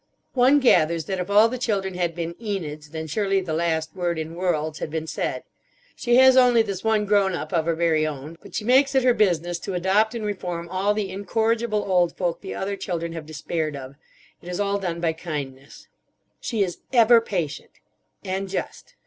One gathers that if all the children had been Enids, then surely the last word in worlds had been said. She has only this one grown up of her very own; but she makes it her business to adopt and reform all the incorrigible old folk the other children have despaired of. It is all done by kindness. "She is ever patient. And just."